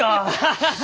ハハハ！